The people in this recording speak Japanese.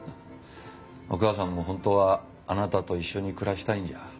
お母さんも本当はあなたと一緒に暮らしたいんじゃ？